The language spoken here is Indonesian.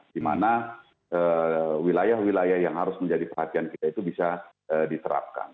di mana wilayah wilayah yang harus menjadi perhatian kita itu bisa diterapkan